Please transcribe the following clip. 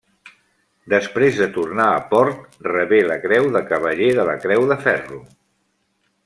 Després de tornar a port rebé la Creu de Cavaller de la Creu de Ferro.